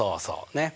ねっ？